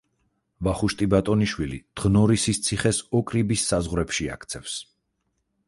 ვახუშტი ბატონიშვილი დღნორისის ციხეს ოკრიბის საზღვრებში აქცევს.